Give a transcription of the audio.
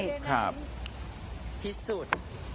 ครับที่สุด